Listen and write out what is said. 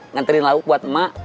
nganturin lauk buat mak